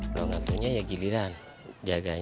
padahal menangkap warung itu membuat dia jatuh